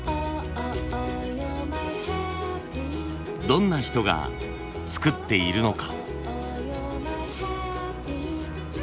どんな人が作っているのか？